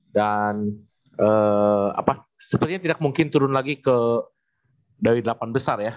dan sepertinya tidak mungkin turun lagi ke dari delapan besar ya